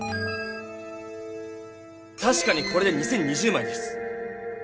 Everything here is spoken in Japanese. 確かにこれで２０２０枚です。